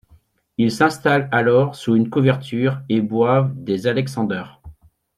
Ils s’installent alors sous une couverture et boivent des Alexander.